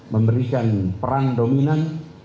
memberikan peran dominan